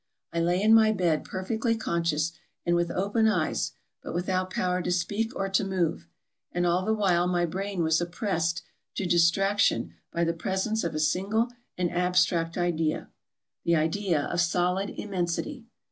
I lay in my bed per fectly conscious, and with open eyes, but without power to speak or to move, and all the while my brain was oppressed to distraction by the presence of a single and abstract idea — the idea of solid immensity.